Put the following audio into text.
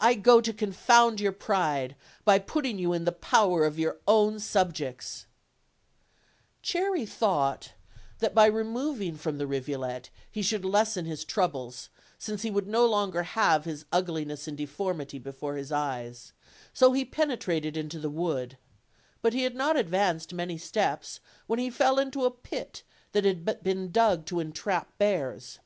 I go to confound your pride, by putting you in the power of your own subjects/' Cherry thought that by removing from the rivulet he should lessen his troubles, since he would no longer have his ugliness and deformity before his eyes; so he pene trated into the wood: but he had not advanced many steps when he fell into a pit that had been dug to entrap bears.